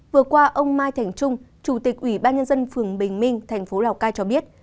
vừa qua ông mai thành trung chủ tịch ủy ban nhân dân phường bình minh thành phố lào cai cho biết